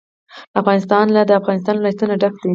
افغانستان له د افغانستان ولايتونه ډک دی.